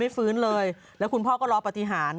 ฟื้นเลยแล้วคุณพ่อก็รอปฏิหาร